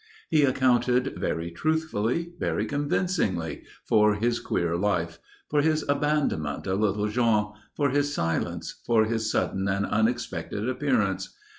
He accounted very truthfully, very convincingly, for his queer life; for his abandonment of little Jean, for his silence, for his sudden and unexpected appearance.